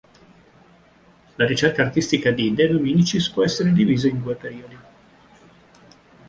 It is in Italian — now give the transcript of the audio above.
La ricerca artistica di De Dominicis può essere divisa in due periodi.